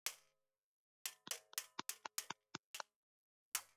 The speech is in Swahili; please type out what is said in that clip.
aa uchaguzi mwingine utendeka hapa uganda